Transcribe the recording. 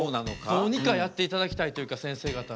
どうにかやっていただきたいというかせんせい方に。